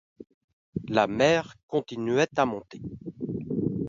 La mer continuait à monter.